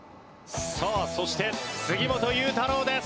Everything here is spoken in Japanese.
さあそして杉本裕太郎です。